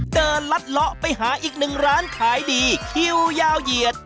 ลัดเลาะไปหาอีกหนึ่งร้านขายดีคิวยาวเหยียด